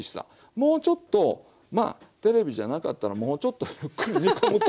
もうちょっとまあテレビじゃなかったらもうちょっとゆっくり煮込むと。